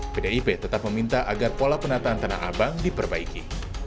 pdip tetap meminta agar pola penataan tanah abang diperbaiki